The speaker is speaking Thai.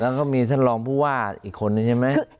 แล้วก็มีท่านรองผู้ว่าอีกคนนึงใช่ไหม